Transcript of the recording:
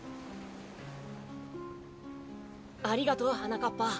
ありがとうはなかっぱ。